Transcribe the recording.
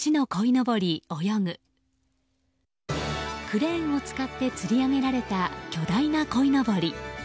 クレーンを使ってつり上げられた巨大なこいのぼり。